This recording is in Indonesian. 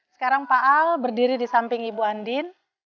sekarang pak al berdiri di samping ibu andin